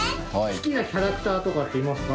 好きなキャラクターとかっていますか？